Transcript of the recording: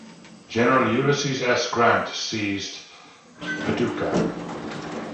General Ulysses S. Grant seized Paducah.